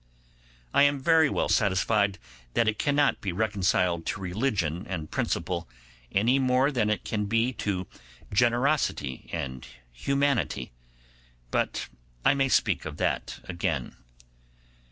I am very well satisfied that it cannot be reconciled to religion and principle any more than it can be to generosity and Humanity, but I may speak of that again.